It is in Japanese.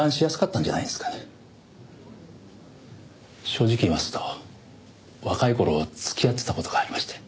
正直言いますと若い頃付き合ってた事がありまして。